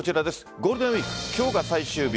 ゴールデンウイーク今日が最終日。